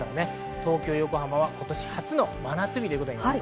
東京、横浜は今年初の真夏日です。